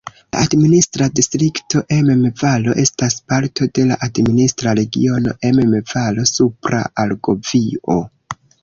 La administra distrikto Emme-Valo estas parto de la administra regiono Emme-Valo-Supra Argovio.